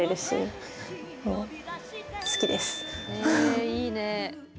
えいいね。